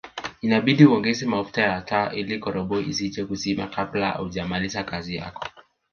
Inabidi uongeze mafuta ya taa ili koroboi isije kuzima kabla haujamaliza kazi yako